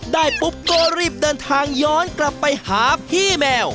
ได้ปุ๊บก็รีบเดินทางย้อนกลับไปหาพี่แมว